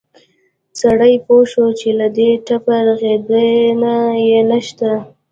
سړى پوى شو چې له دې ټپه رغېدن يې نه شته.